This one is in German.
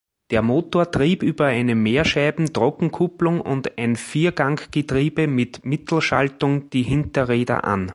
Der Motor trieb über eine Mehrscheiben-Trockenkupplung und ein Vierganggetriebe mit Mittelschaltung die Hinterräder an.